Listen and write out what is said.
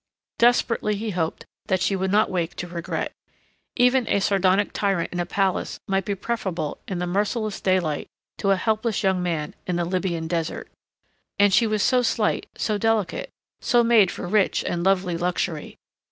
Desperately he hoped that she would not wake to regret. Even a sardonic tyrant in a palace might be preferable in the merciless daylight to a helpless young man in the Libyan desert. And she was so slight, so delicate, so made for rich and lovely luxury....